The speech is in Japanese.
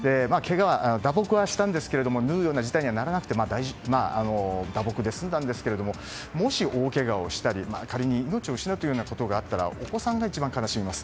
打撲はしたんですけれども縫うような事態にはならなくて打撲で済んだんですけれどももし大けがをしたり仮に、命を失うことがあったらお子さんが一番悲しみます。